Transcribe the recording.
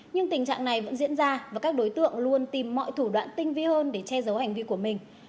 nhưng tình trạng này vẫn diễn ra và các đối tượng luôn tìm mọi thủ đoạn tinh vi hơn để che giấu hành vi của mình